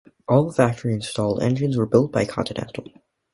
All factory-installed engines were built by Continental.